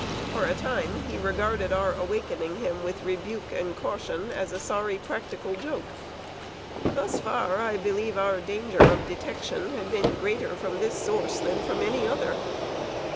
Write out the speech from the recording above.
For a time, he regarded our awakening him, with rebuke and caution, as a sorry practical joke. Thus far, I believe our danger of detection had been greater from this source than from any other.